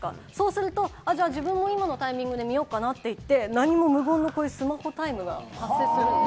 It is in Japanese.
すると自分も今のタイミングで見ようかなっていって、無言のスマホタイムが発生します。